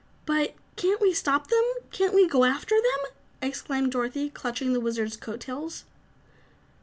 "But can't we stop them? Can't we go after them?" exclaimed Dorothy, clutching the Wizard's coat tails.